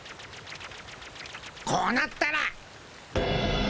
こうなったら。